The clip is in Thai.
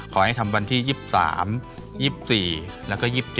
ขอให้ทำวันที่๒๓๒๔แล้วก็๒๗